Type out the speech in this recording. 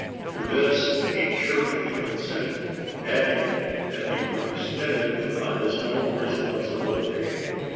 To this he cheerfully consented, adding, that he would extend it upon his own responsibility.